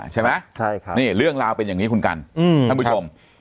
ใช่ไหมใช่ครับนี่เรื่องราวเป็นอย่างนี้คุณกันท่านผู้ชม